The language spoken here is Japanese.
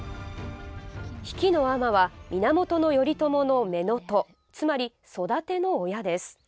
比企尼は源頼朝の乳母つまり育ての親です。